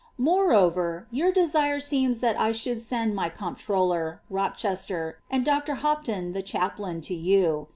[oreover, your desire seems that I should send my comptroller (Rochester) )r. Hopton (chaplain) to you.